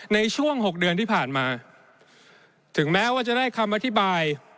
ในช่วง๖เดือนที่ผ่านมาถึงแม้ว่าจะได้คำอธิบาย